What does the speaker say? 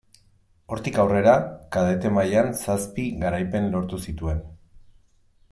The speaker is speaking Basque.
Hortik aurrera, kadete mailan zazpi garaipen lortu zituen.